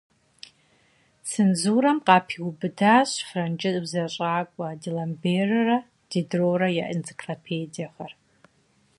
Цензурэм къапиубыдащ франджы узэщӏакӏуэ Деламберрэ Дидрорэ я энциклопедиехэр.